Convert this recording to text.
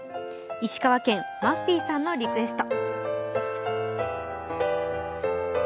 石川県、まっふぃーさんのリクエスト。